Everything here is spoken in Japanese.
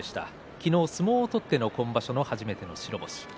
昨日、相撲を取っての今場所初めての白星。